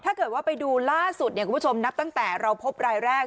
ถ้าเกิดว่าไปดูล่าสุดเนี่ยคุณผู้ชมนับตั้งแต่เราพบรายแรก